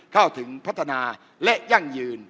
เข้าถึงพัฒนาและยั่งยืน